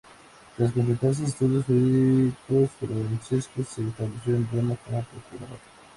Tras completar sus estudios jurídicos, Francesco se estableció en Roma como procurador.